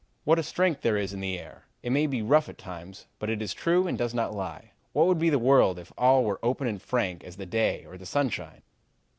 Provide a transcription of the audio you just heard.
What a strength there is in the air! It may be rough at times, but it is true and does not lie. What would the world be if all were open and frank as the day or the sunshine?'